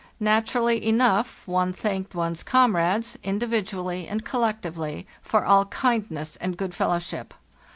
Naturally enough, one thanked one's comrades, individually and collectively, for all kindness and good fellowship.